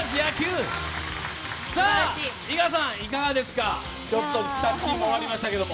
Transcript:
井川さん、いかがですか、２チーム終わりましたけど。